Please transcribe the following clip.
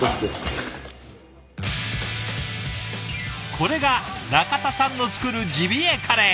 これが中田さんの作るジビエカレー。